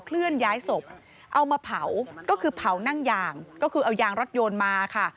เคลื่อนย้ายศพเอามาเผาก็คือเผานั่งยางก็คือเอายางรถยนต์มาค่ะ